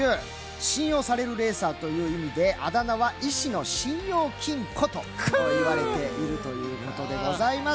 信用されるレーサーという意味であだ名は石野信用金庫と言われているということであります。